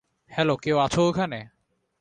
Hello কেউ আছো ওখানে?